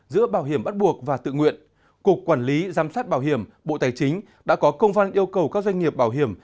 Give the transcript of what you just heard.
giữa bảo hiểm bắt buộc và tự nguyện cục quản lý giám sát bảo hiểm bộ tài chính đã có công văn yêu cầu các doanh nghiệp bảo hiểm